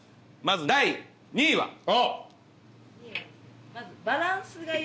まず第２位は？